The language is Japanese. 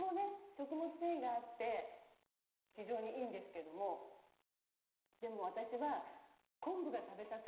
食物繊維があって非常にいいんですけどもでも私は昆布が食べたくて。